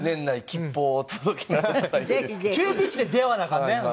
急ピッチで出会わなアカンね。